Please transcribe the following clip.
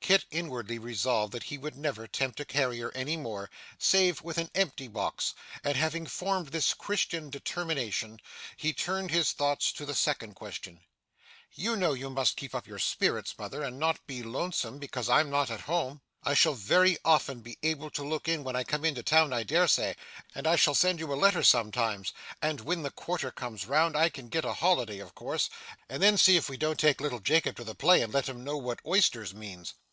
Kit inwardly resolved that he would never tempt a carrier any more, save with an empty box; and having formed this Christian determination, he turned his thoughts to the second question. 'You know you must keep up your spirits, mother, and not be lonesome because I'm not at home. I shall very often be able to look in when I come into town I dare say, and I shall send you a letter sometimes, and when the quarter comes round, I can get a holiday of course; and then see if we don't take little Jacob to the play, and let him know what oysters means.